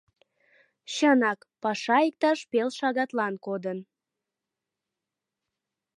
Чынак, паша иктаж пел шагатлан кодын.